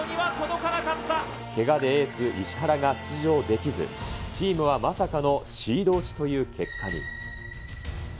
けがでエース、石原が出場できず、チームはまさかのシード落ちという結果に。